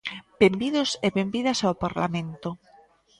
Benvidos e benvidas ao Parlamento.